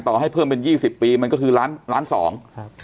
ต่อให้เพิ่มเป็น๒๐ปีมันก็คือล้านสอง